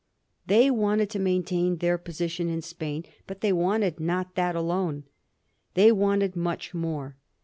They wanted to maintain their posi . tion in Spain; but they wanted not that alone. They wanted much more.